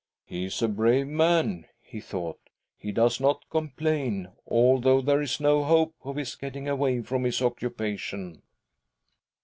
" He is a brave man," he thought ;" he does not complain, although there is no hope of his getting away from his occupation."